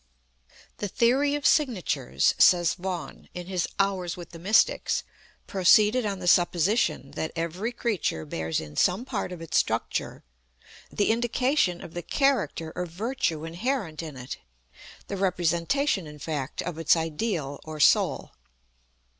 "The theory of signatures," says VAUGHAN, in his Hours with the Mystics, "proceeded on the supposition that every creatures bears in some part of its structure ... the indication of the character or virtue inherent in it the representation, in fact, of its ideal or soul.